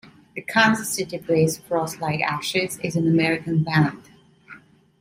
The Kansas City-based Frost Like Ashes is an American band.